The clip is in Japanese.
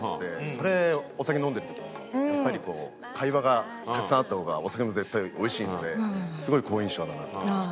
それお酒飲んでる時にやっぱりこう会話がたくさんあった方がお酒も絶対おいしいのですごい好印象だなと思いました。